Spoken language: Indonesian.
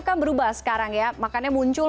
kan berubah sekarang ya makanya muncul